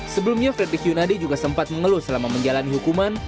sebelumnya frederick yunadi juga sempat mengeluh selama menjalani hukuman